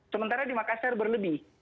sementara di makassar berlebih